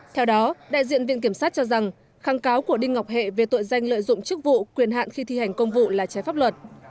theo đó đại diện viện kiểm sát cho rằng kháng cáo của đinh ngọc hệ về tội danh lợi dụng chức vụ quyền hạn khi thi hành công vụ là trái pháp luật